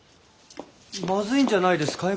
まずいんじゃないですかい？